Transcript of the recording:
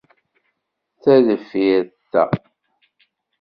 Ta deffir ta.